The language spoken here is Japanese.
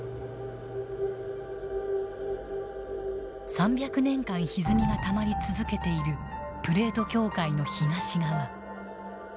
３００年間ひずみがたまり続けているプレート境界の東側。